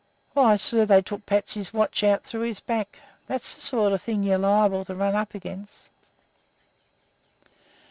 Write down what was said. Why, sir, they took 'Patsy's' watch out through his back. That's the sort of thing you're liable to run up against."